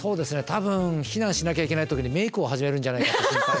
多分避難しなきゃいけない時にメークを始めるんじゃないか。